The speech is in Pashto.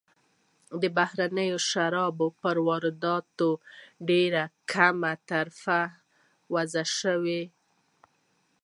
د بهرنیو شرابو پر وارداتو ډېر ګمرکي تعرفه وضع شوې وه.